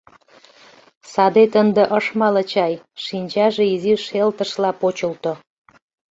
Садет ынде ыш мале чай, шинчаже изи шелтышла почылто.